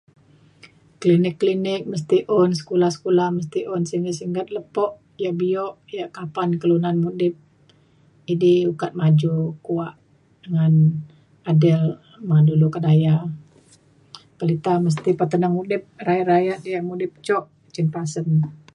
klinik klinik mesti un sekula sekula mesti un singget singget lepo yak bio yak kapan kelunan mudip idi ukat maju kuak ngan adel uma dulu kak daya. pelita mesti peteneng mudip rakyat rakyat yak mudip jok cin pasen.